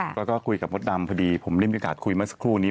แล้วก็คุยกับมดดำพอดีผมได้มีโอกาสคุยเมื่อสักครู่นี้